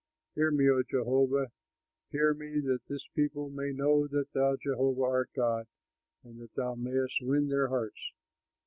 Hear me, O Jehovah, hear me, that this people may know that thou, Jehovah, art God, and that thou mayst win their hearts."